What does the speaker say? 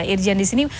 irjian di sini